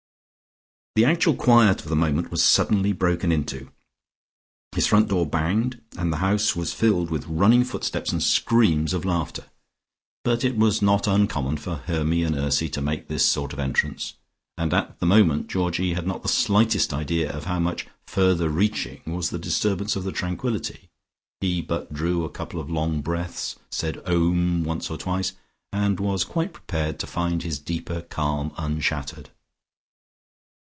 The actual quiet of the moment was suddenly broken into. His front door banged, and the house was filled with running footsteps and screams of laughter. But it was not uncommon for Hermy and Ursy to make this sort of entrance, and at the moment Georgie had not the slightest idea of how much further reaching was the disturbance of the tranquillity. He but drew a couple of long breaths, said "Om" once or twice, and was quite prepared to find his deeper calm unshattered.